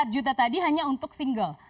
lima puluh empat juta tadi hanya untuk single